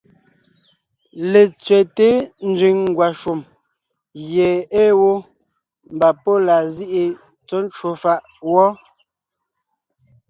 Letsẅɛ́te nzẅìŋ ngwàshùm gie ée wó, mbà pɔ́ laa zíʼi tsɔ̌ ncwò fàʼ wɔ́.